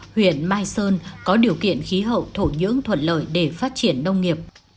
huyện mai sơn có điều kiện khí hậu thổ nhưỡng thuận lợi để phát triển nông nghiệp